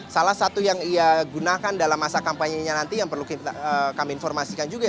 salah satu yang ia gunakan dalam masa kampanye nya nanti yang perlu kami informasikan juga